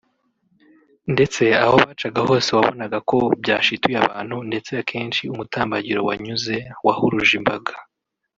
ndetse aho bacaga hose wabonaga ko byashituye abantu ndetse ahenshi umutambagiro wanyuze wahuruje imbaga